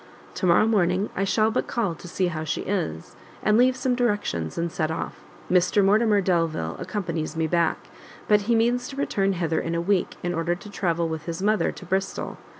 To morrow morning I shall but call to see how she is, and leave some directions, and set off. Mr Mortimer Delvile accompanies me back: but he means to return hither in a week, in order to travel with his mother to Bristol.